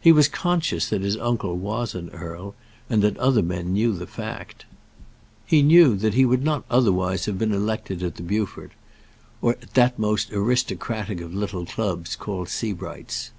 He was conscious that his uncle was an earl, and that other men knew the fact. He knew that he would not otherwise have been elected at the Beaufort, or at that most aristocratic of little clubs called Sebright's.